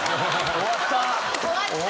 終わったよ！